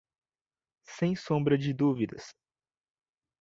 Sem sombra de dúvidas!